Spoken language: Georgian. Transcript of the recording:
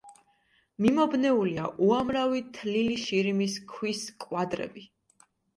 მიმობნეულია უამრავი თლილი შირიმის ქვის კვადრები.